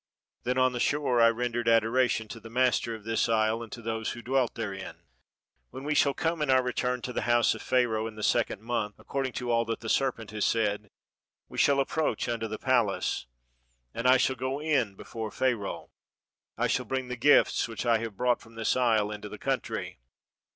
Then on the shore I ren dered adoration to the master of this isle and to those who dwelt therein. "When we shall come, in our return, to the house of Pharaoh, in the second month, according to all that the serpent has said, we shall approach unto the palace. And I shall go in before Pharaoh, I shall bring the gifts which I have brought from this isle into the country.